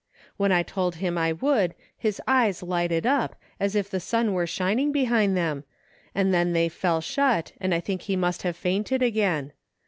" When I told him I would, his eyes lighted up, as if the sun were shining behind them, and then they fell shut and I think he must have fainted again.